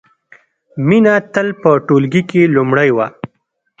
مینه تل په ټولګي کې لومړۍ وه